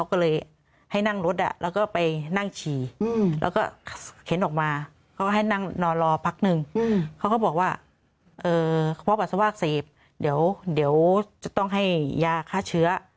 เขาก็บอกว่าเพราะปัสสาว่าอักเสบเดี๋ยวจะต้องให้ยาฆ่าเชื้อ